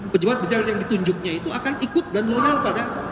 pejabat pejabat yang ditunjuknya itu akan ikut dan loyal pada